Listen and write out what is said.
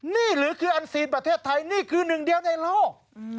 นี่หรือคืออันซีนประเทศไทยนี่คือหนึ่งเดียวในโลก